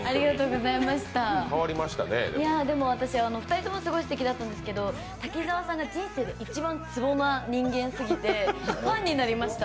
２人ともすてきだったんですけど、滝澤さんが人生で一番ツボな人間すぎて、ファンになりました。